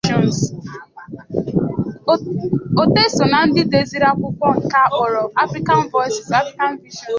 Oteh so na ndi deziri akwụkwọ nke akpọrọ "African Voices African Visions".